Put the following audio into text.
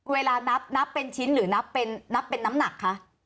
เวลานับเป็นชิ้นหรือนับเป็นน้ำหนักคะ